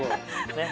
ねっ。